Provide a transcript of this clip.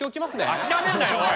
諦めんなよおい！